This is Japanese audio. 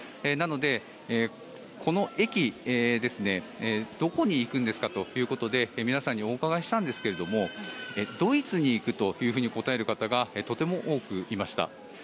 なので、この駅でどこに行くんですかということで皆さんにお伺いしたんですがドイツに行くというふうに答える方がとても多くいました。